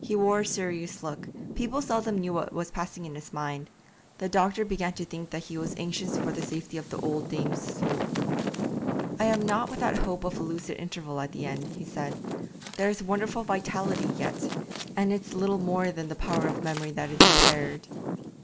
He wore a serious look people seldom knew what was passing in his mind; the doctor began to think that he was anxious for the safety of the old dame's soul. 'I am not without hope of a lucid interval at the end,' he said; 'there is wonderful vitality yet, and it's little more than the power of memory that is impaired.'